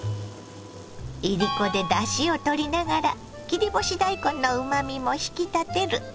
いりこでだしをとりながら切り干し大根のうまみも引き立てる。